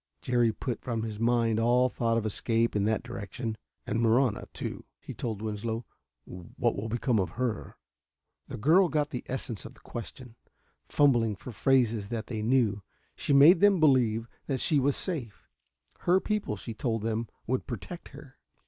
Jerry put from his mind all thought of escape in that direction. "And Marahna, too," he told Winslow. "What will become of her?" The girl got the essence of the question. Fumbling for phrases that they knew, she made them believe that she was safe. Her people, she told them, would protect her.